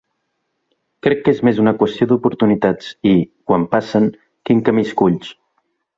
Crec que és més una qüestió d’oportunitats i, quan passen, quin camí esculls.